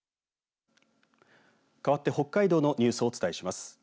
かわって北海道のニュースをお伝えします。